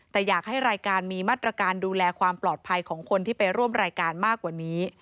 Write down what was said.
แต่อยากให้รายการมีมาตรการดูแลความปลอดภัยของคนที่ไปร่วมรายการมากกว่านี้